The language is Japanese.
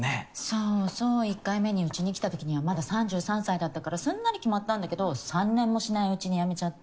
そうそう１回目にうちに来たときにはまだ３３歳だったからすんなり決まったんだけど３年もしないうちに辞めちゃって。